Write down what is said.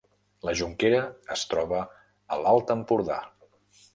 La Jonquera es troba a l’Alt Empordà